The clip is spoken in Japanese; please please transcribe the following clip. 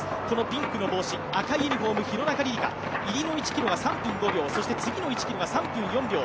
ピンクの帽子、赤いユニフォームの廣中璃梨佳が入りの１ｋｍが３分５秒そして次の１ｋｍが３分４秒。